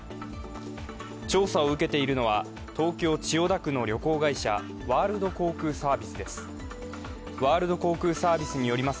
調査を受けているのは東京・千代田区の旅行会社、ワールド航空サービスです。